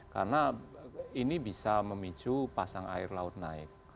karena ini bisa memicu pasang air laut naik